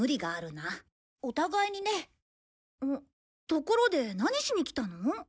ところで何しに来たの？